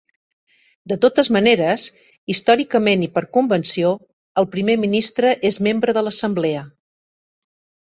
De totes maneres, històricament i per convenció, el primer ministre és membre de l'Assemblea.